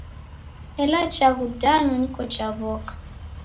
Ela chaghu danu niko chaw'oka.